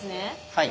はい。